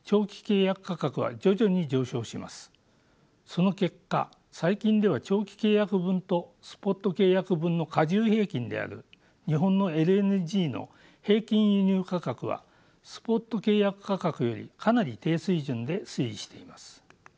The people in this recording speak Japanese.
その結果最近では長期契約分とスポット契約分の加重平均である日本のＬＮＧの平均輸入価格はスポット契約価格よりかなり低水準で推移しています。